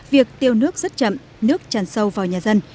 việc tiêu nước rất chậm nước tràn sâu vào nhà dân